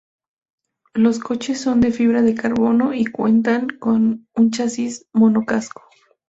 Los coches son de fibra de carbono y cuentan con un chasis monocasco.